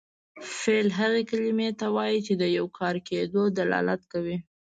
فعل هغې کلمې ته وایي چې د یو کار کیدو دلالت کوي.